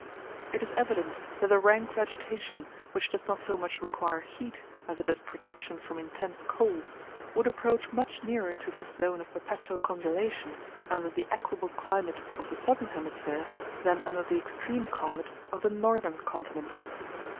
It is evident that a rank vegetation, which does not so much require heat as it does protection from intense cold, would approach much nearer to this zone of perpetual congelation under the equable climate of the southern hemisphere, than under the extreme climate of the northern continents.